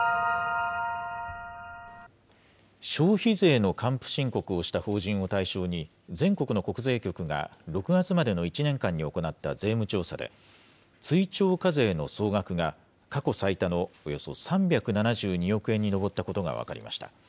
消費税の還付申告をした法人を対象に、全国の国税局が６月までの１年間に行った税務調査で、追徴課税の総額が過去最多のおよそ３７２億円に上ったことが分かりました。